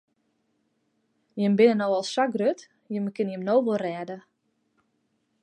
Jimme binne no al sa grut, jimme kinne jim no wol rêde.